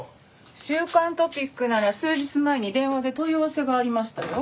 『週刊トピック』なら数日前に電話で問い合わせがありましたよ。